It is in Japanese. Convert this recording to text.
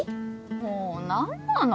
もう何なの？